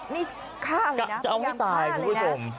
นี่ฆ่าเลยนะพยายามฆ่าเลยนะจะเอาให้ตายคุณผู้ชม